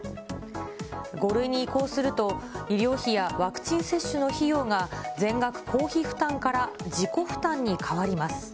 ５類に移行すると、医療費やワクチン接種の費用が、全額公費負担から自己負担に変わります。